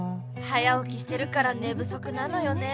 「早おきしてるからねぶそくなのよね」。